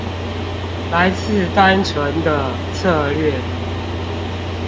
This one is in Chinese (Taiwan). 來自單純的策略